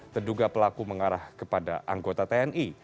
terduga pelaku mengarah kepada anggota tni